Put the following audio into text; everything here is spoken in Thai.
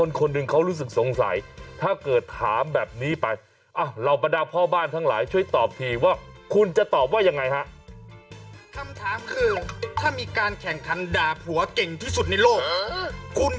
น้องน้องเป็นอะไรน้องเป็นเป็นเป็นเศร้ากันกันยังไม่เคยมีแฟน